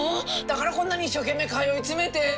だからこんなに一生懸命通い詰めて。